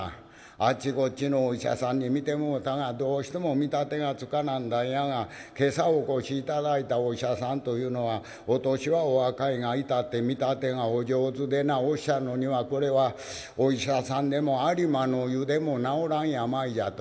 あっちこっちのお医者さんに診てもろうたがどうしても見立てがつかなんだんやが今朝お越し頂いたお医者さんというのはお年はお若いが至って見立てがお上手でなおっしゃるのには『これはお医者さんでも有馬の湯でも治らん病じゃ』と。